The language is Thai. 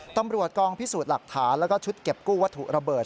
ตำรวจกองพิสูจน์หลักฐานแล้วก็ชุดเก็บกู้วัตถุระเบิด